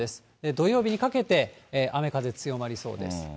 土曜日にかけて雨風強まりそうです。